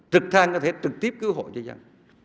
trực thăng có thể trực tiếp cứu hộ cho dân